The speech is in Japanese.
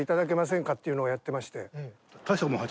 っていうのをやってまして。